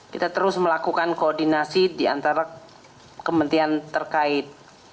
kita terus melakukan koordinasi di antara kementerian terkait